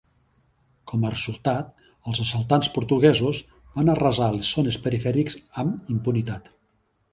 Com a resultat, els assaltants portuguesos van arrasar les zones perifèriques amb impunitat.